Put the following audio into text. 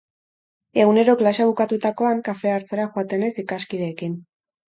Egunero, klasea bukatutakoan, kafea hartzera joaten naiz ikaskideekin.